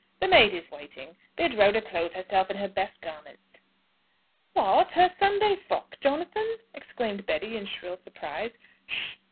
"The maid is waiting. Bid Rhoda clothe herself in her best garments." "What! her Sunday frock, Jonathan?" exclaimed Betty in shrill surprise. "'Sh!